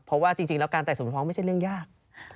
เพราะว่าจริงแล้วการไต่สวนฟ้องไม่ใช่เรื่องยาก